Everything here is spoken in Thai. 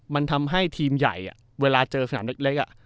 มันทำให้ทีมใหญ่เวลาเจอสนามเล็ก